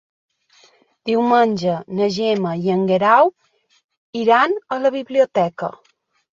Diumenge na Gemma i en Guerau iran a la biblioteca.